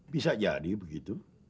bisa jadi begitu